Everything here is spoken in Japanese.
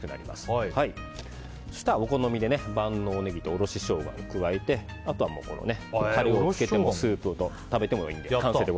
そうしたらお好みで万能ネギとおろしショウガを加えてあとはたれをつけてスープと食べてもいいので。